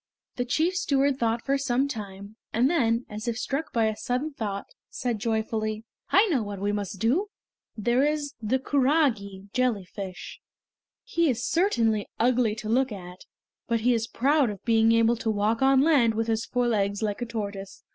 The chief steward thought for some time, and then, as if struck by a sudden thought, said joyfully: "I know what we must do! There is the kurage (jellyfish). He is certainly ugly to look at, but he is proud of being able to walk on land with his four legs like a tortoise.